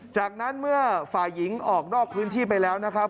จากนั้นเมื่อฝ่ายหญิงออกนอกพื้นที่ไปแล้วนะครับ